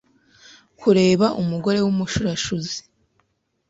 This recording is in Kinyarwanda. kubera umugore w’umushurashuzi.